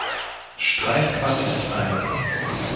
Streichquartett ein.